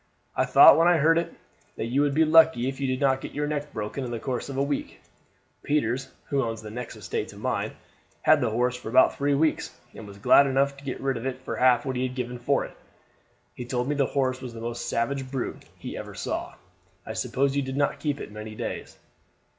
I thought when I heard it; that you would be lucky if you did not get your neck broken in the course of a week. Peters, who owns the next estate to mine, had the horse for about three weeks, and was glad enough to get rid of it for half what he had given for it. He told me the horse was the most savage brute he ever saw. I suppose you did not keep it many days?"